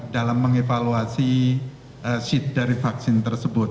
dalam mengevaluasi seat dari vaksin tersebut